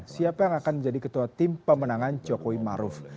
siapa yang akan menjadi ketua tim pemenangan jokowi maruf